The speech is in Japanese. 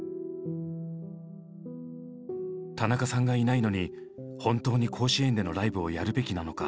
田中さんがいないのに本当に甲子園でのライブをやるべきなのか。